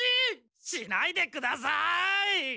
しないでください！